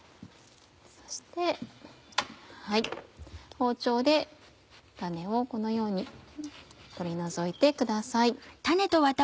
包丁で種をこのように取り除いてください。